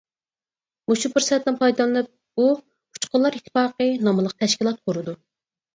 مۇشۇ پۇرسەتتىن پايدىلىنىپ، ئۇ «ئۇچقۇنلار ئىتتىپاقى» ناملىق تەشكىلات قۇرىدۇ.